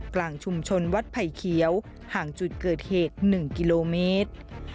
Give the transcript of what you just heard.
กลางชุมชนวัดไผ่เขียวห่างจุดเกิดเหตุ๑กิโลเมตร